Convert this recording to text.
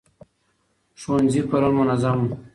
ښوونځي پرون منظم وو.